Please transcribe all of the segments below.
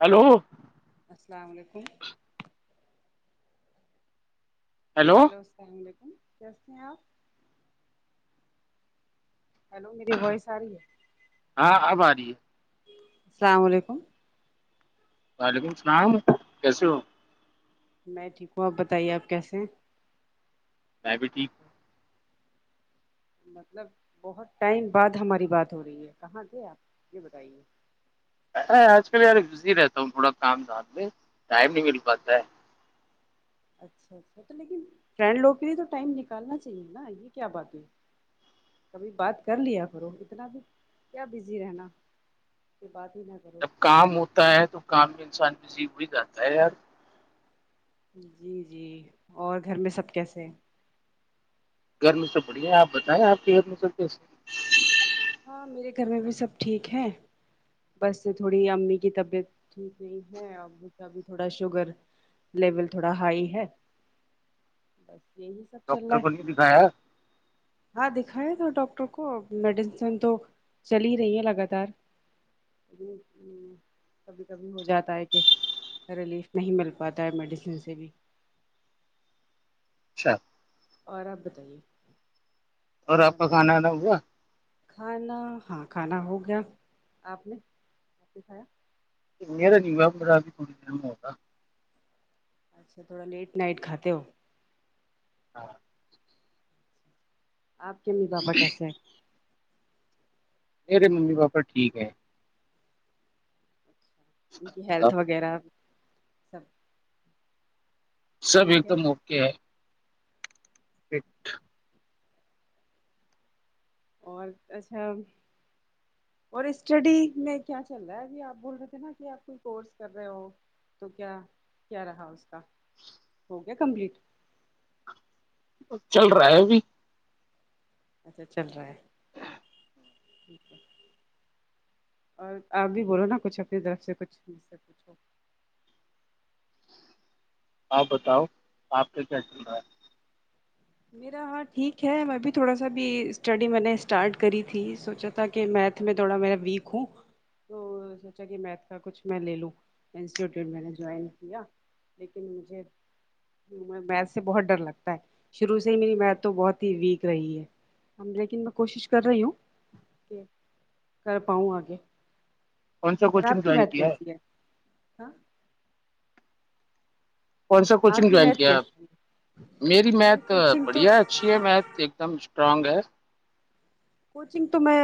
hello السلام علیکم hello السلام علیکم کیسے ہیں آپ ہیلو میری وائس آ رہی ہے جی السلام علیکم وعلیکم اللام کیسے ہو میں ٹھیک ہوں آپ بتائیے آپ کیسے ہیں میں بھی ٹھیک ہوں مطلب بہت ٹائم بعد ہماری بات ہو رہی ہے کہاں تھے آپ یہ بتائیے ا آج کل یار بزی رہتا ہوں تھوڑا کام ساتھ میں ٹائم نہیں مل پاتا ہے اچھا اچھا تو لیکن فرینڈ لوگ کے لیے تو ٹائم نکالنا چاہیے نا یہ کیا باتیں کبھی بات کر لیا کرو اتنا بھی کیا بزی رہنا بات ہی نہ کرو جب کام ہوتا ہے تو کام بھی انسان جی وہی کہتا ہے یار جی جی اور گھر میں سب کیسے ہیں گرمی سب بڑی ہے آپ بتائیں آپ کے حد میں سب کیسے ہیں ہاں میرے گھر میں بھی سب ٹھیک ہے بس تھوڑی امی کی طبیعت ٹھیک نہیں ہے اور م کا بھی تھوڑا شوگر لیول تھوڑا ہائی ہے بس یہی سب چل رہا ڈاکٹر کو ہے نہیں دکھایا ہاں دکھایا تھا ڈاکٹر کو میڈی تو چل ہی رہی ہے لگاتار کبھی کبھی ہو جاتا ہے کہ ریلیف نہیں مل پاتا ہے میڈیسن سے بھی اچھا اور آپ بتائیے اور آپ کا کھانا آنا ہوگا کھانا ہاں کھانا ہو گیا آپ نے کھایا یرا نہیں ہو میرا ابھی تھوڑی دیر میں ہوگتا اچھا تھوڑا لیٹ نائٹ کھاتے ہو ہاں آپ کے امی پاپا کیسے ہیں میرے ممی پاپا ٹھیک ہے ان کی بتاؤ ہیلتھ وغیرہ سب [inaudible] سب ایک ٹھیک ہے دم اک ہے ایک [inaudible] اور اچھا اور اسٹڈی میں کیا چل رہا ہے ابھی آپ بول رہے تھے نا کہ آپ کوئی کورس کر رہے ہو تو کیا کیا رہا اس کا ہو گیا کمپلیٹ چل رہا ہے اب اچھا چل رہا ہے اور آپ بھی بولو نا کچھ اپنی طرف سے کچھ سے کچھ ہو [inaudible] آپ بتاؤ آپ کا کیا چل رہا ہے میرا ہاں ٹھیک ہے میں بھی تھوڑا سا بھی اسٹڈی میں نے اسٹارٹ کری تھی سوچا تھا کہ میتھ میں تھوڑا ما ویک ہوں تو سوچا کہ میتھ کا کچھ میں لے لوں انسٹیٹیوٹ میں نے جوائن کیا لیکن مجھے میتھ سے بہت ڈر لگتا ہے شروع سے ہی میری میت تو بہت ہی ویک رہی ہے لیکن میں کوشش کر رہی ہوں کہ کر پاؤں آگے کون سا اور کوچنگ آپ کی جوائن میتھ کیا ہے کیسی ہاں کون سا آپ کوچنگ کی جوائن میتھ کیا کیسی ہے میری میتھ کوچنگ تو بڑھیا اچھی ہے میتھ ایک دم اسٹرانگ ہے کوچنگ تو میں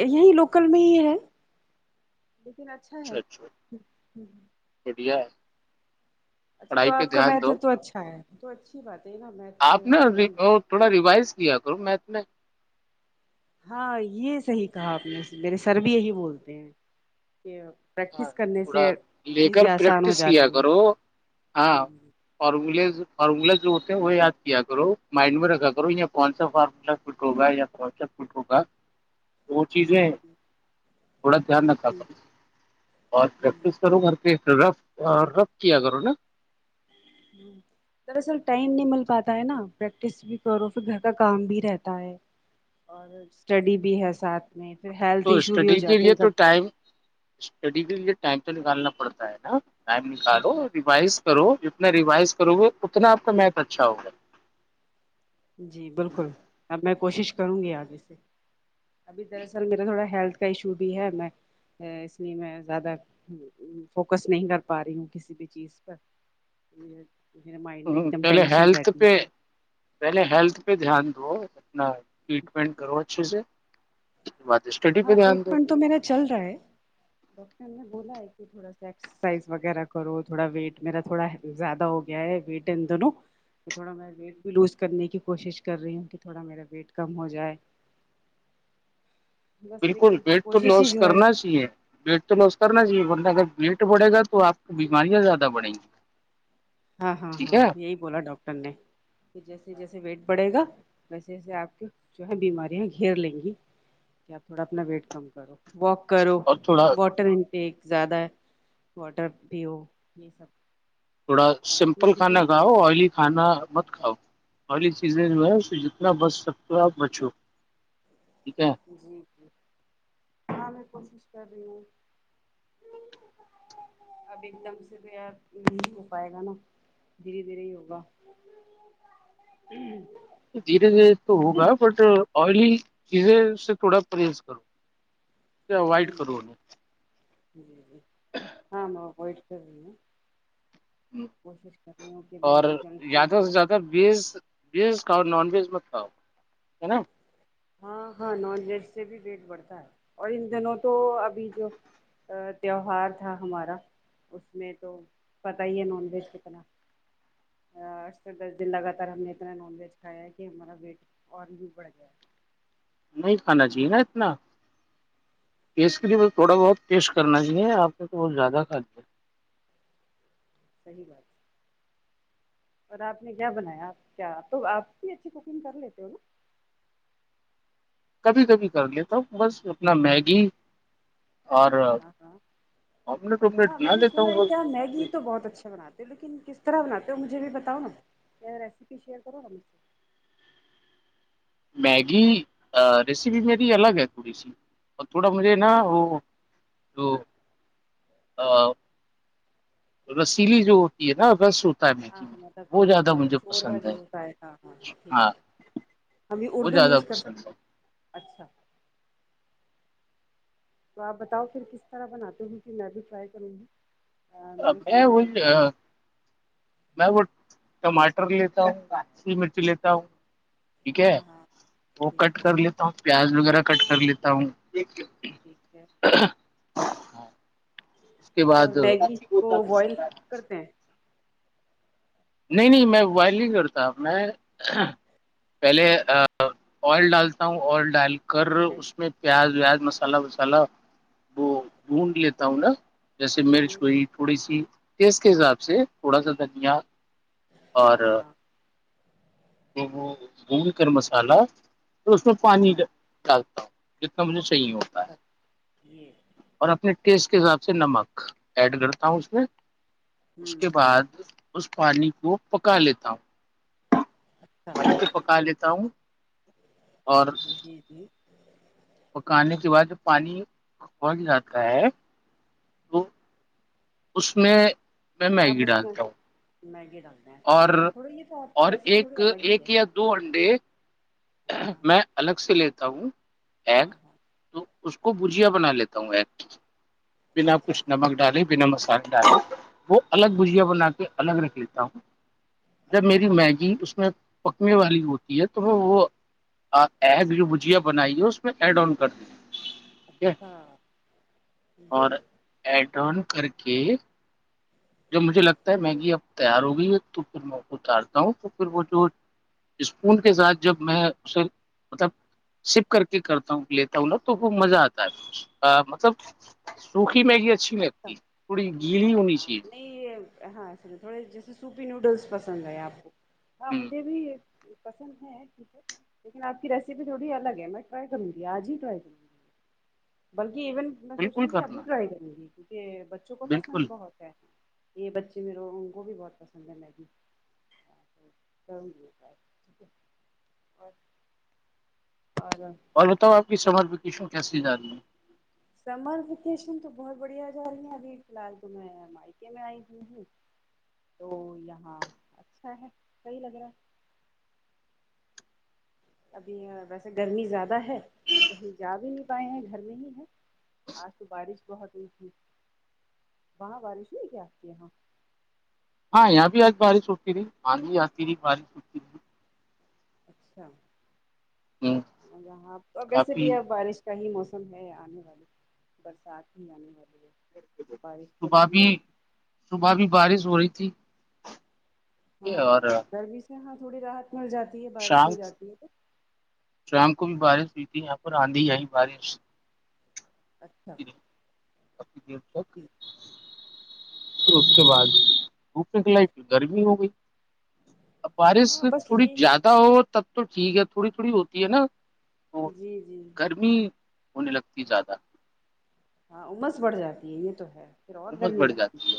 یہ ہی لوکل میں ہی ہے لیکن اچھا ہے بڑھیا ہے اچھا تو پڑھائی پہ آپ کا دھیان دو مہتو تو اچھا ہے تو اچھی بات ہے نا میتھ آپ میں نے صحیح تھوڑا ریوائز کیا کرو میتھ میں ہاں یہ صحی کہا آپ نے میرے سر بھی یہی بولتے ہیں کہ ہاں پریکٹس کرنے سے تھوڑا لے کر چیزیں آسان ہو پریکٹس جاتی کیا کرو ہاں ہیں فارمولیز فارمولا جو ہوتے ہیں وہ یاد کیا کرو مائنڈ میں رکھا کرو یا کون سا فارمولا فٹ ہوگا یا کون سا فٹ ہوگا وہ چیزیں [unintelligible] تھوڑا دھیان ن کر اور پریکٹس کرو گھر کے رف رف کیا کرو نا دراصل ٹائم نہیں مل پاتا ہے نا پریکٹس بھی کرو پھر گھر کا کام بھی رہتا ہے اور اسٹڈی بھی ہے ساتھ میں پھر تو ہیلتھ ایشو بھی ہو اسٹڈی کے جاتے لیے ہیں تو کبھی ٹائم کبھی اسٹڈی کے لیے ٹینک کالنا پڑتا ہے نا ٹم نکالو جی ریوائز کرو جتنا ریوائز کرو گے اتنا آپ کا میتھ اچھا ہوگا جی بالکل اب میں کوشش کروں گی آگے سے ابھی دراصل میرا تھوڑا ہیلتھ کا ایشو بھی ہے میں اس لیے میں زیادہ فوکس نہیں کر پا رہی ہوں کسی بھی چیز پر میرے مائنڈ میں ایک دم پہلے ٹینشن ہیلتھ رہتی ہے پہ پھر پہلے ہیلتھ پہ دھیان دو ریٹمینٹ کرو چ سر ہاں ٹریٹمنٹ تو میرا چل رہا ہے ڈاکٹر نے بولا ہے تھوڑا سا ایکسرسائز وغیرہ کرو تھوڑا ویٹ میرا تھوڑا زیادہ ہو گیا ہے وٹ ا دونوں تھوڑا ویٹ بھی لوز کرنے کی کوشش کر رہی ہوں کہ تھوڑا میرا ویٹ کم ہو جائے بس بالکل لیکن ویٹ تو کوشش ہی لوس جاری کرنا چاہیے ویٹ تو لوس کرنا چاہیے ورہ اگر ویٹ پڑے گا تو آپ کو بیماریاں زیادہ بڑیں گی ہاں ہاں ٹھیک ہاں ہے یہی بولا ڈاکٹر نے کہ جیسے جیسے ویٹ بڑھے گا ویسے جیسے آپ کے جو ہے بیمارییاں گھیر لیں گی کہ آپ تھوڑا اپنا ویٹ کم کرو واک کرو اور تھوڑا واٹر ایکیک زیادہ واٹر پ ہو یہ سب تھوڑا باقی سمپل میڈیسن کھانا کھاؤ آئلی کھانا مت کھاؤ والی چیزیں جو ہے اپتنا بس سب کو آپ بچو ٹھیک ہے جی جی میں کوشش اب ایک دم سے تو ار نہیں ہو پائے گا نا دھیرے دھیرے ہی ہوگا دھیرے دھیرے تو ہوگا بٹ آئلی چیزیں اس سے تھوڑا پرہیز کرو وائٹ کرو نے [inaudible] آم کو [inaudible] اور یہ جنک فوڈ زیادہ جو سے ہے زیادہ بیس بیس اور نان بیس تا ہے نا ہاں ہاں نان ویج سے بھی ویٹ بڑھتا ہے اور ان دنوں تو ابھی جو تہوار تھا ہمارا اس میں تو پت ہی ہے نان ویج کتنا آھ سے دس دن لگاتار ہم نے اتنا نان ویج کھایا ہے کہ ہمارا ویٹ اور بھی بڑھ جائے نہیں کھانا چاہیے نا اتنا اسکری میں تھوڑا بہت ٹیسٹ کرنا چاہیے آپ کو تو بہت زیادہ کھادی ہے صحیح بات اور آپ نے کیا بنایا کیا تو آپ بھی اچھی کوکنگ کر لیتے ہو نا کبھی کبھی کر لیتا بس اپنا میگی اور ہاں ہاں آملیٹ وملیٹ ہاں میں بنا نے لیتا سنا ہوں ہے کیا بس میگی تو بہت اچھا بناتے لیکن ک کتر ہونا تو مجھے بھی بتاؤ نا ریسیپی شیئر کرو نا مجھ سے میگی ریسیپی میری الگ ہے تھوڑی سی اور تھوڑا مجھے نا وہ جو رسیلی جو ہوتی ہے نا رس ہوتی ہاں ہاں مطلب تھوڑا سا شور وا جو ہوتا ہے تھا ہاں ہاں ٹھیک ہے ہم بھی وہ اردو زیادہ یوز کر پسند سکتے اچھا تو آپ بتاؤ پھر کس طرح بناتے ہوں کہ میں بھی ٹرائی کروں گی میں نے سنا میںول ہے کہ آپ میں ٹماٹر لیتا ہوں کاچی مرچ لیتا ہوں ٹھیک ہے ہاں ہاں تو کٹ ٹھیک ہے کر لیتا ہوں پیاز وغیرہ کٹ کر لیتا ہوں ٹھیک ہے [inaudible] اس کے اور بعد میگی کو بوائل کرتے ہیں نہیں نہیں میں ووائل نہیں کرتا میں پہلے آئل ڈالتا ہوں آئل ڈال کر ٹھیک ہے اس میں پیاز ویاز مسالہ وسالا وہ ڈونڈ لیتا ہوں نا جیسے ہوں مرچ ہوں ہوئی تھوڑی سی اسس کے حساب سے تھوڑا سا دنیا اور ہاں ہاں تو وہ وہب کر مسالحہ تو اس میں پانی اچھا ڈالتا ہوں مجھے صحیح ہوتا اچھا ہے یہ اور اپنے کہ اس کے حساب سے نمک ایڈ کرتا ہوں اس میں اس ہوں کے بعد اس پانی کو پکا لیتا ہوں اچھا پکا لیتا ہوں اور جی جی پکانے کے بعد جب پانی پھٹ جاتا ہے ہ [unintelligible] اس میں میں میگی ڈالتا ہوں نہیں ڈ اور اچھا تھوڑی یہ تو آپ کی اور ریسیپی ایک تھوڑی الگ ہی ہے ایک یا دو انڈے ہاں میں الگ سے لیتا ہوں ایگ ہاں ہاں تو اس کو بجیا بنا لیتا ہوں ایک بنا آپ اچھا کچھ نمک ڈالیں ب نمسار ڈال وہ الگ بھجیا ہوں بنا کے الگ رک لیتی ہ [unintelligible] جب اچھا میری میگی اس میں پکنے والی ہوتی ہے تو وہ آ ایب جو بجیا بنائی ہے اس میں ایڈ آن کر دی ٹیک ہے ہاں اور گڈ ایڈ ٹان کر کے جب مجھے لگتا ہے میگی اب تیار ہو گئی ہے تو پھر میں کو اتارتا ہوں تو پھر وہ جو اسپون کے ساتھ جب میں اسے مطلب سپ کر کے کرتا ہوں لیتا وا تو وہ مزہ آتا ہے مطلب س مگیا چھی اچھا پڑی گل ہو نہیں چ ہاںسے تھوڑے جیسے سوپی نوڈلس پسند ہے آپ کو ہاں ہ مجھے بھی پسند ہے یک ہے لیکن آپ کی ریسیپی تھوڑی الگ ہے میں ٹرائی کروں گی آج ہی ٹرائی کروں گی بکہ ایون میں سوچ بالکل رہی ہ کہ ابھی کرنا رائی کروں گی کہ بچوں کو پسند بالکل بہت ہے یہ بچے میرے ان کو بھی بہت پسند ہیں مگی کروں گی ٹھ ہے اور اور بتاؤ آپ کی سمج ایشو کیسی ج رہ ہے سمر ویکیشن تو بہت بڑھیا جا رہی ہیں ابھی فی الحال تو میں مائکے میں آئی ہو ہوں تو یہاں اچھا ہے صحی لگ رہا ہے ابھی ویسے گرمی زیادہ ہے تو کہیں جا بھی نہیں پائے ہیں گھر میں ہی ہے آج تو بارش بہت ہوئی تھی وہاں بارش ہوئی کیا آپ کے یہاں ہاں یہاں بھی آج بارش ہوتی تی آند بھی آتی رہی بارش ہوتی رہی اچھا ہ اںب تو ا ویسے بھی کافی ہے بارش ک ہی موسم ہے آنے والی برسات ہی آنے والی ہے بارش تو صبح لگی بھی رہے گی صبح بھی بارش ہو رہی تھی یہ اور ج ہاں تھوڑی رات مل جاتی ہے بارش شام ہو جاتی ہے تو شام کو بھی بارش ہوئی تھی یہاں پر آندھی آئی بارش اچھا جک [unintelligible] پھر اس کے بعد بوکے کلائی کی گرمی ہو گئی بارش ہاں بس تھوڑی یہ زیادہ ہو تب تو ٹھیک ہے تھوڑی تھوڑی ہوتی ہے نا تو جی جی گرمی ہونے لگتی زیادہ ہاں عمس بڑھ جاتی ہے یہ تو ہے پھر اور امت گرمی بڑھ لگتی جاتی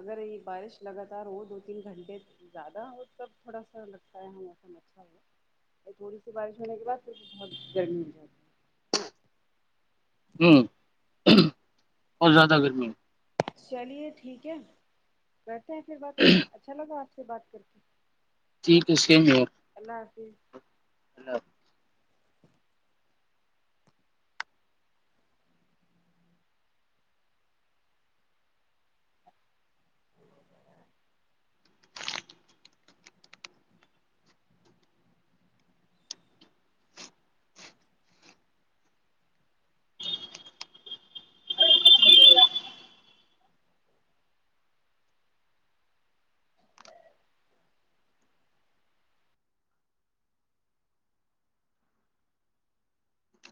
اگر یہ بارش لگاتار ہو دو تین گھنٹے زیادہ ہو تب تھوڑا سا لگتا ہے یہاں موسم اچھا ہوا تھوڑی سی بارش ہونے کے بعد پھر بھی بہت گرمی ہو جاتی ہے ہوں اورہت زیادہ گرمی ہے چلیے ٹھیک ہے پھر بس اچھا لگ ا سے بات کر کے ٹھیک اوکے ہے سی مئر اللہ حافظ ہیلو